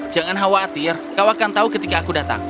jangan khawatir kau akan tahu ketika aku datang